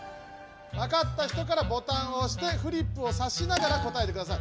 わかった人からボタンをおしてフリップをさしながら答えてください。